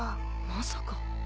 まさか。